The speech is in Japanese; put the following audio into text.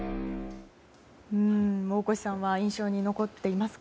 大越さんは印象に残っていますか？